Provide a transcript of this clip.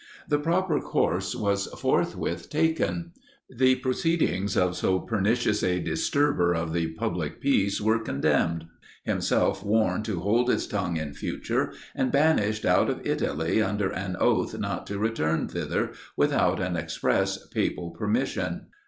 The proper course was forthwith taken; the proceedings of so pernicious a disturber of the public peace were condemned; himself warned to hold his tongue in future, and banished out of Italy under an oath not to return thither, without an express papal permission.